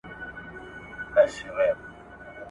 تېرول چي مي کلونه هغه نه یم !.